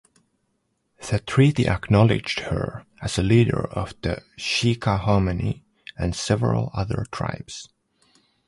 The treaty acknowledged her as leader of the Chickahominy and several other tribes.